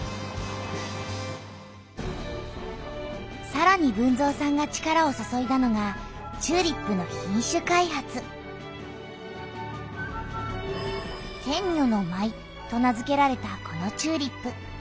さらに豊造さんが力を注いだのがチューリップの「天女の舞」と名づけられたこのチューリップ。